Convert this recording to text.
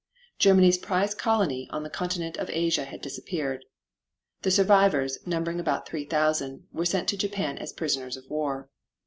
Germany's prize colony on the continent of Asia had disappeared. The survivors, numbering about three thousand, were sent to Japan as prisoners of war.